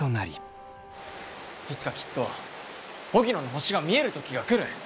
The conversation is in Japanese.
いつかきっと荻野の星が見える時が来る！